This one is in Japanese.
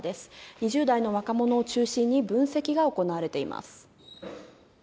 ２０代の若者を中心に分析が行われています。